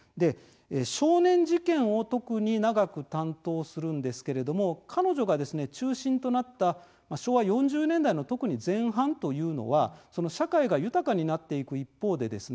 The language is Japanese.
少年事件を特に長く担当するんですけれども彼女が中心となった昭和４０年代の特に前半というのは、社会が豊かになっていく一方でですね